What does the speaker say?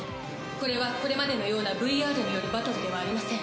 これはこれまでのようなＶＲによるバトルではありません。